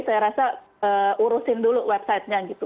saya rasa urusin dulu websitenya gitu